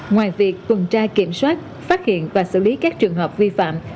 ngoài việc tuần tra kiểm soát phát hiện và xử lý các trường hợp vi phạm